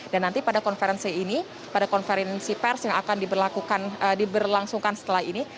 dan nanti pada konferensi ini pada konferensi pers yang akan diberlangsungkan setelah ini